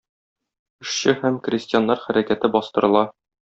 Эшче һәм крестьяннар хәрәкәте бастырыла.